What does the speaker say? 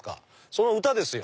その歌ですよ。